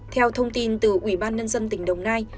theo thông tin từ ủy ban nhân dân tỉnh đồng nai